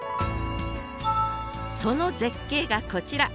その絶景がこちら。